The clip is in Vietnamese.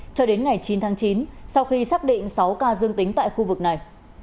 cho đến ngày chín tháng chín sau khi xác định sáu ca dương tính tại khu vực này